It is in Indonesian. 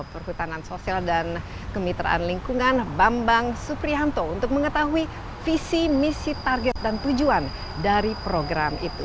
perhutanan sosial dan kemitraan lingkungan bambang suprianto untuk mengetahui visi misi target dan tujuan dari program itu